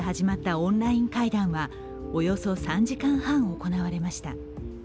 オンライン会談はおよそ３時間半、行われました。